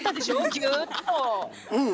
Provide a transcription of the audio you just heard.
うん。